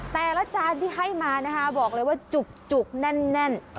แต่ละจานที่ให้มานะคะบอกเลยว่าจุกแน่น